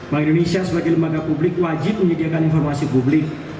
bank indonesia sebagai lembaga publik wajib menyediakan informasi publik